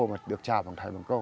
mà được chào bằng thầy bằng cô